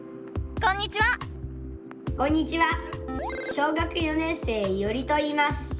小学４年生いおりといいます。